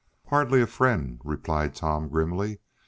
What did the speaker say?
"Hardly a friend," replied Tom grimly.